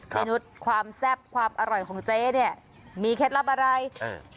นุษย์ความแซ่บความอร่อยของเจ๊เนี่ยมีเคล็ดลับอะไรเออ